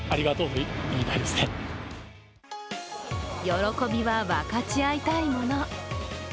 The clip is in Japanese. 喜びは分かち合いたいもの。